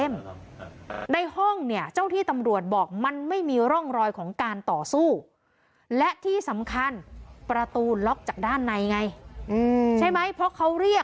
มันทะลุออกไปข้างนอกได้มั้ย